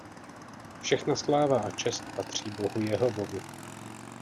Všechna sláva a čest patří Bohu Jehovovi.